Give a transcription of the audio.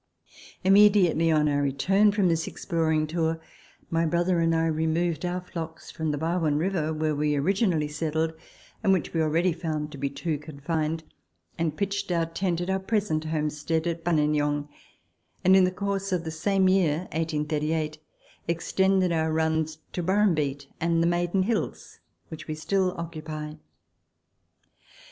Immediately on our return from this exploring tour, my brother and I removed our flocks from the Barwon River, where we origi nally settled, and which we already found to be too confined, and pitched our tent at our present homestead at Buninyong, and in the course of the same year (1838) extended our runs to Burrum beet and the Maiden Hills, which we still occupy.